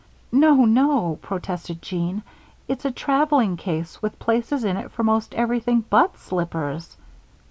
"No, no," protested Jean. "It's a traveling case with places in it for 'most everything but slippers."